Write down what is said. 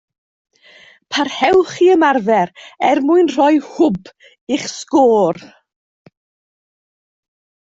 Parhewch i ymarfer er mwyn rhoi hwb i'ch sgôr